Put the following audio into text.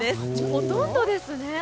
ほとんどですね！